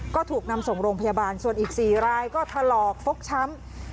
ก็ถูกนำส่งโรงพยาบาลส่วนอีก๔รายก็ถลอกฟกช้ำ